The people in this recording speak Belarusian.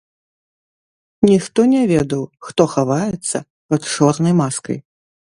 Ніхто не ведаў, хто хаваецца пад чорнай маскай.